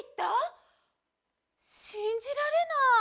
しんじられない！